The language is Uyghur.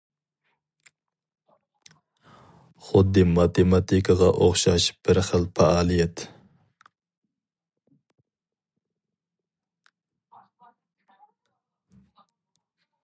خۇددى ماتېماتىكىغا ئوخشاش بىر خىل پائالىيەت.